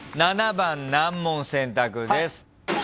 ７番難問選択です。